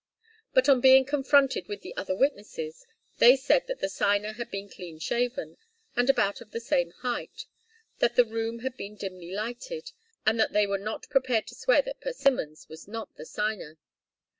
But on being confronted with the other witnesses, they said that the signer had been clean shaven, and about of the same height; that the room had been dimly lighted, and that they were not prepared to swear that Persimmons was not the signer.